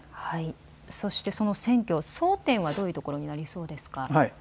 そしてその選挙、争点はどういうところになりそうですか。